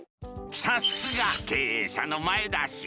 さすが経営者の前田氏。